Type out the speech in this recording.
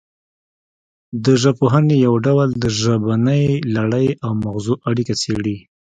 د ژبپوهنې یو ډول د ژبنۍ لړۍ او مغزو اړیکه څیړي